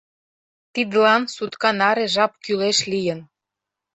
Тидлан сутка наре жап кӱлеш лийын.